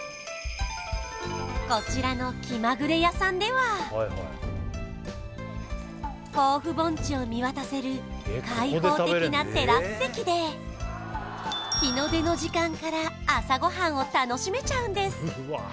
こちらの気まぐれ屋さんでは甲府盆地を見渡せる開放的なテラス席で日の出の時間から朝ごはんを楽しめちゃうんです